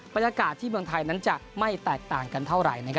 บรรยากาศที่เมืองไทยนั้นจะไม่แตกต่างกันเท่าไหร่